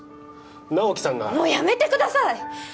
直木さんがもうやめてください！